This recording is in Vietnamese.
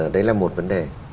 đấy là một vấn đề